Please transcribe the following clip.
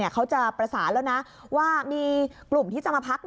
เขาจะประสานแล้วนะว่ามีกลุ่มที่จะมาพัก